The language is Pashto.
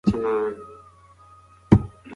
د پوشکين عمليات لا هم روان دي.